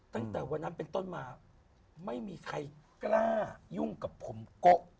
ตั้งแต่วันนั้นเป็นต้นมาไม่มีใครกล้ายุ่งกับผมโกะ